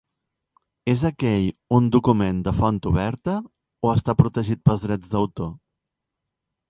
És aquell un document de font oberta o està protegit pels drets d'autor?